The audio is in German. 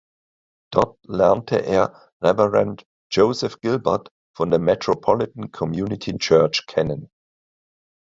Dort lernte er Reverend Joseph Gilbert von der Metropolitan Community Church kennen.